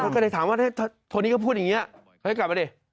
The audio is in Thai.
ก็เลยถามว่าโทนี่ก็พูดอย่างนี้ค่อยกลับมาดิ